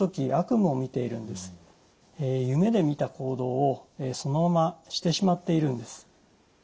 夢でみた行動をそのまましてしまっているんです。